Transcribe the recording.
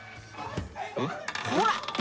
ほら！